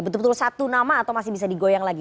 betul betul satu nama atau masih bisa digoyang lagi